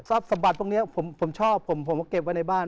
สมบัติพวกนี้ผมชอบผมก็เก็บไว้ในบ้าน